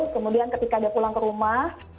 kemudian ketika dia pulang ke rumah